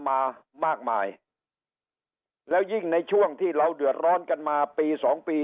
มามากมายแล้วยิ่งในช่วงที่เราเดือดร้อนกันมาปีสองปี